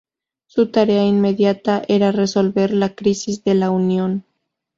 Su tarea inmediata era resolver la crisis de la unión.